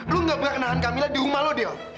lu nggak pernah kenalan kamil di rumah lu del